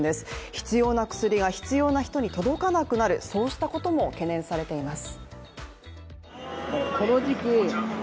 必要な薬が必要な人に届かなくなるそうしたことも懸念されています。